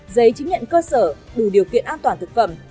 giấy chứng nhận cơ sở đủ điều kiện an toàn thực phẩm